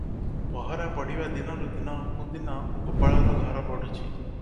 ପହରା ପଡ଼ିବା ଦିନରୁ ଦିନକୁ ଦିନ ଗୋପାଳର ଘର ବଢ଼ୁଛି ।